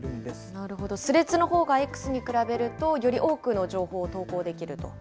なるほど、スレッズのほうがＸに比べると、より多くの情報を投稿できると。